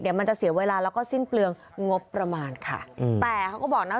เดี๋ยวมันจะเสียเวลาแล้วก็สิ้นเปลืองงบประมาณค่ะอืมแต่เขาก็บอกนะ